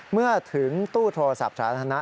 เมื่อถึงตู้โทรศัพท์สาธารณะ